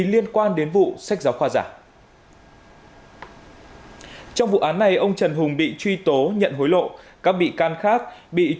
xin chào và hẹn gặp lại